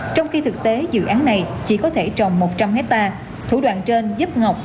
trong khi thực tế dự án này chỉ có thể trồng một trăm linh hectare thủ đoạn trên giúp ngọc